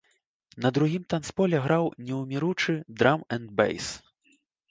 На другім танцполе граў неўміручы драм-энд-бэйс.